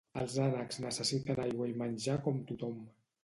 Els ànecs nessessiten aigua i menjar com tothom